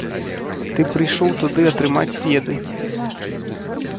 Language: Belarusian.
Ты прыйшоў туды атрымаць веды.